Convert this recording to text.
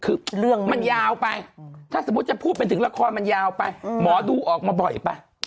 คือมันยาวไปถ้าสมมุติจะพูดไปถึงละครมันยาวไปหมอดูออกมาบ่อยป่ะ